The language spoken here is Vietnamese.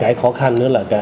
và cái khó khăn nữa là